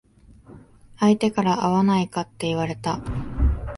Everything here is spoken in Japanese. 相手から会わないかって言われた。